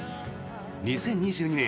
２０２２年